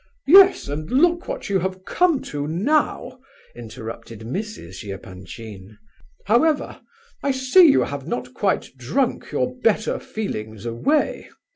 "Yes, and look what you have come to now!" interrupted Mrs. Epanchin. "However, I see you have not quite drunk your better feelings away.